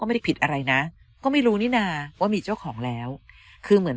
ไม่ได้ผิดอะไรนะก็ไม่รู้นี่นะว่ามีเจ้าของแล้วคือเหมือน